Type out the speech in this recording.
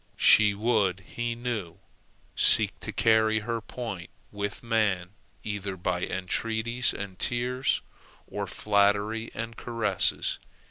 She would, he knew, seek to carry her point with man either by entreaties and tears, or flattery and caresses.